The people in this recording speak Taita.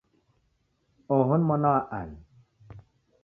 Oho ni mwana wa ani?